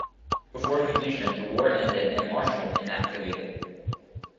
Before completion, the war ended and "Marshall" inactivated.